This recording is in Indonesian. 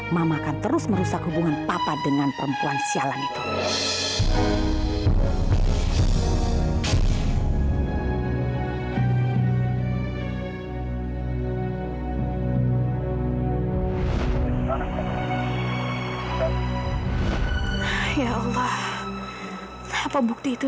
mama akan terus merusak hubungan papa dengan perempuan sialan itu